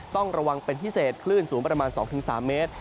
ต้องระวังเป็นพิเศษคลื่นสูงประมาณ๒๓เมตร